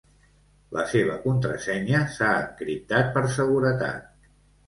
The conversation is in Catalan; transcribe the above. La seva contrasenya s'ha encriptat per seguretat.